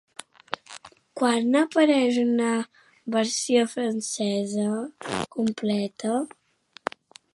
Quan n'apareix una versió francesa completa?